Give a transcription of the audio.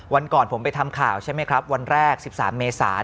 วันก่อนผมไปทำข่าวใช่ไหมครับวันแรก๑๓เมษา